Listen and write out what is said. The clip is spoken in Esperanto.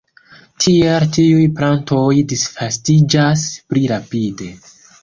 Tiel tiuj plantoj disvastiĝas pli rapide.